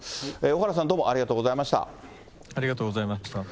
小原さん、どうもありがとうござありがとうございました。